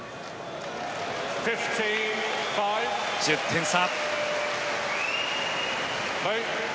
１０点差。